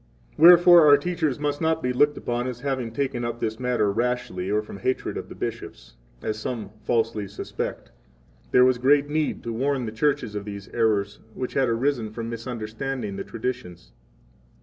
18 Wherefore our teachers must not be looked upon as having taken up this matter rashly or from hatred of the bishops, 19 as some falsely suspect. There was great need to warn the churches of these errors, which had arisen from misunderstanding the traditions.